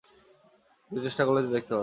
একটু চেষ্টা করলেই দেখতে পাওয়া যায়।